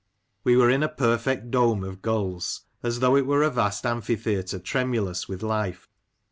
We were in a perfect dome of gulls ; as though it were a vast amphitheatre, tremulous with life.